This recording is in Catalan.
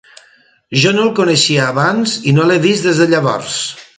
Jo no el coneixia abans i no l'he vist des de llavors.